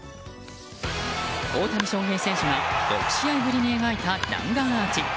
大谷翔平選手が６試合ぶりに描いた弾丸アーチ。